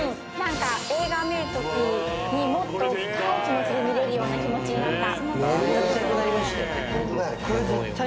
映画を見るときにもっと深い気持ちで見れるような気持ちになった。